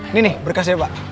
ini nih berkesnya pak